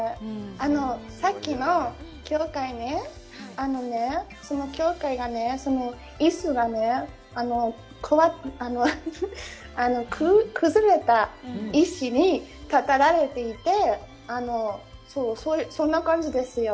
あのさっきの教会ね、あのね、その教会の椅子が崩れた石に立てられていて、そんな感じですよ。